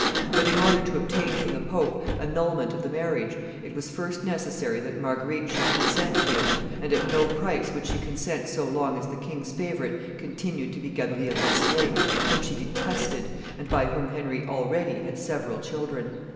But, in order to obtain from the pope annulment of the marriage, it was first necessary that Marguerite should consent to it, and at no price would she consent so long as the king's favorite continued to be Gabrielle d'Estrees, whom she detested, and by whom Henry already had several children.